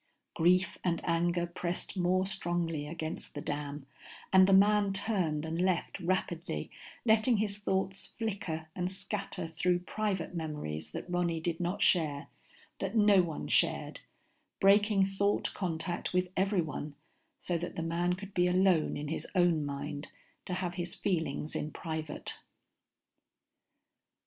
Grief and anger pressed more strongly against the dam, and the man turned and left rapidly, letting his thoughts flicker and scatter through private memories that Ronny did not share, that no one shared, breaking thought contact with everyone so that the man could be alone in his own mind to have his feelings in private.